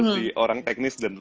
di orang teknis